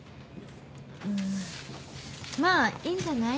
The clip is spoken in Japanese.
うんまあいいんじゃない？